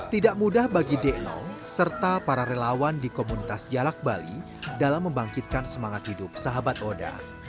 tidak mudah bagi dek nong serta para relawan di komunitas jalak bali dalam membangkitkan semangat hidup sahabat oda